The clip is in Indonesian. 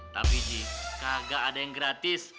tapi ji kagak ada yang gratis